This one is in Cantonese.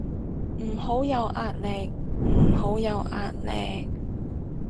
唔好有壓力，唔好有壓力